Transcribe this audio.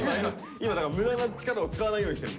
今無駄な力を使わないようにしてるの。